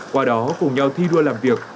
qua đó cùng nhau thi đua làm việc